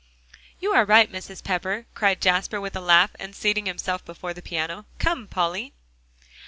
"You are right, Mrs. Pepper," cried Jasper with a laugh, and seating himself before the piano. "Come, Polly!"